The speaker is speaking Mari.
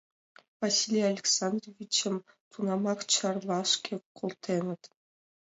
Василий Александровичым тунамак Чарлашке колтеныт.